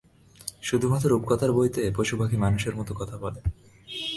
শুধুমাত্র রূপকথার বইতে পশু-পাখি মানুষের মতো কথা বলে।